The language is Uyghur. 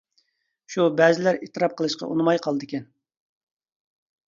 شۇ بەزىلەر ئېتىراپ قىلىشقا ئۇنىماي قالىدىكەن.